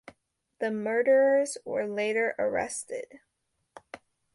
The murderers were later arrested.